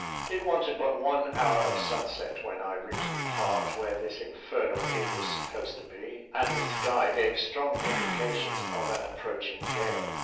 It wanted but one hour of sunset when I reached the part where this infernal gig was supposed to be, and the sky gave strong indications of an approaching gale.